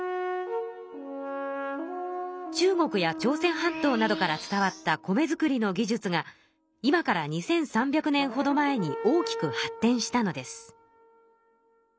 中国や朝鮮半島などから伝わった米作りの技術が今から２，３００年ほど前に大きく発展したのです。